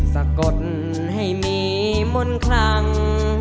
สะกดให้มีมนต์คลัง